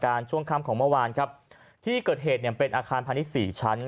ช่วงค่ำของเมื่อวานครับที่เกิดเหตุเนี่ยเป็นอาคารพาณิชย์สี่ชั้น